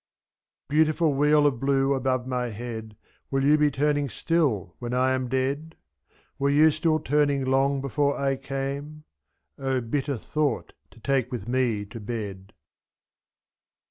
36 Beautiful wheel of blue above my head. Will you be turning still when I am dead? 'S''^* Were you still turning long before I came? O bitter thought to take with me to bed.